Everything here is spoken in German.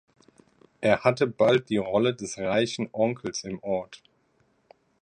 Er hatte bald die Rolle des reichen Onkels im Ort.